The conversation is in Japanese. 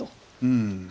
うん。